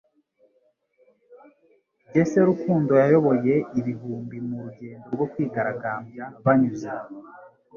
Jesse Rukundo yayoboye ibihumbi mu rugendo rwo kwigaragambya banyuze